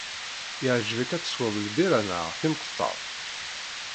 Iεǧeb-ak ad tesweḍ lbira neɣ timqeṭṭert?